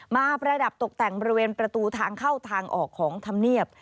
ประดับตกแต่งบริเวณประตูทางเข้าทางออกของธรรมเนียบ